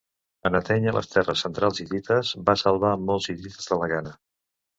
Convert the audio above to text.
En atènyer les terres centrals hitites va salvar molts hitites de la gana.